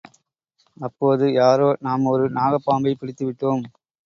அப்போது யாரோ, நாம் ஒரு நாகப் பாம்பைப் பிடித்துவிட்டோம்!